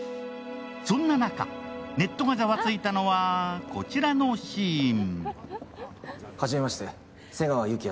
そんな中、ネットがざわついたのはこちらのシーン。